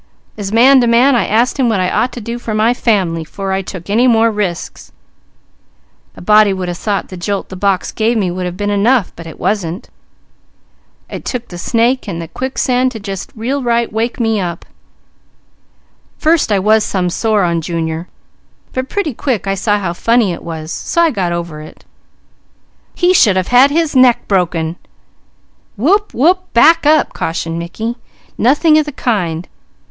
As man to man I asked him what I ought to do for my family 'fore I took any more risks. A body would have thought the jolt the box gave me would have been enough, but it wasn't! It took the snake and the quicksand to just right real wake me up. First I was some sore on Junior; but pretty quick I saw how funny it was, so I got over it " "He should have had his neck broken!" "Wope! Wope! Back up!" cautioned Mickey. "Nothing of the kind!